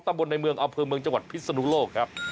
ตามบนในเมืองเอาเพลิงเมืองจังหวัดพิษฎุโลกครับ